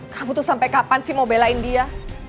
kamu tuh sampai kapan sih mau belain dia